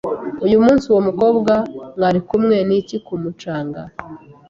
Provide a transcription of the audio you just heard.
Uyu munsi uwo mukobwa mwari kumwe niki ku mucanga?